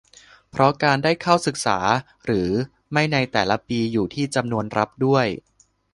เพราะการได้เข้าศึกษาหรือไม่ในแต่ละปีอยู่ที่จำนวนรับด้วย